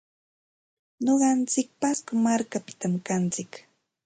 Nuqantsik pasco markapitam kantsik.